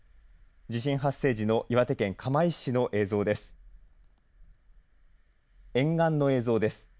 地震発生時の岩手県釜石市の映像です。